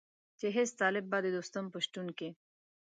چې هېڅ طالب به د دوستم په شتون کې.